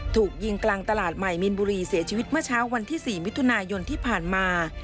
ถูกยิงกลางตลาดใหม่มีนบุรีเสียชีวิตเมื่อเช้าวันที่๔มิถุนายนที่ผ่านมา